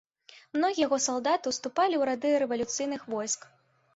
Многія яго салдаты ўступалі ў рады рэвалюцыйных войск.